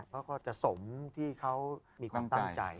เขาก็จะสมที่เขามีความตั้งใจ